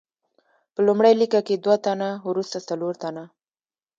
په لومړۍ لیکه کې دوه تنه، وروسته څلور تنه.